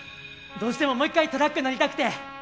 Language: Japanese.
どうしてももう一回トラック乗りたくて。